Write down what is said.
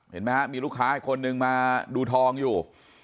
เห็นไหมฮะมีลูกค้าอีกคนนึงมาดูทองอยู่